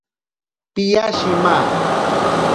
Piya shima.